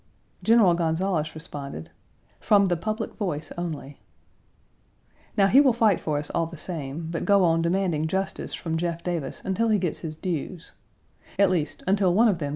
General Gonzales responded, "from the public voice only." Now he will fight for us all the same, but go on demanding justice from Jeff Davis until he get his dues at least, until one of them gets Page 148a A GROUP OF CONFEDERATE WOMEN.